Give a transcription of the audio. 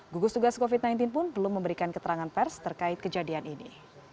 gugus tugas covid sembilan belas pun belum memberikan keterangan pers terkait kejadian ini